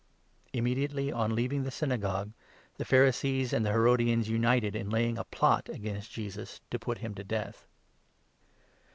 Immediately on leaving the Synagogue, the 6 Pharisees and the Herodians united in laying a plot against Jesus, to put him to death.